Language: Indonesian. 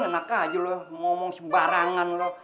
mereka aja lo ngomong sembarangan lo